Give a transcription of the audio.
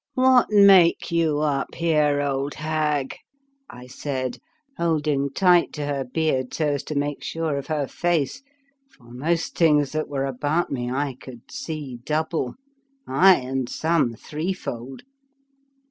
" What make you up here, old hag?" I said, holding tight to her beard so as to make sure of her face, for most things that were about me I could see double, aye, and some three fold.